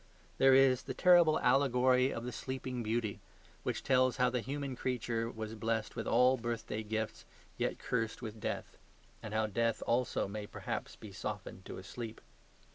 There is the terrible allegory of the "Sleeping Beauty," which tells how the human creature was blessed with all birthday gifts, yet cursed with death; and how death also may perhaps be softened to a sleep.